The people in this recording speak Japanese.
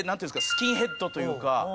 スキンヘッドというか。